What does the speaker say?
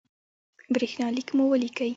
برېښنالک مو ولیکئ